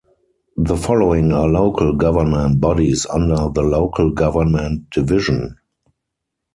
The following are local government bodies under the Local Government Division